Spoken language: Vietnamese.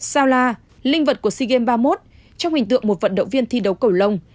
sao la linh vật của sea games ba mươi một trong hình tượng một vận động viên thi đấu cầu lông